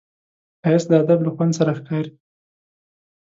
ښایست د ادب له خوند سره ښکاري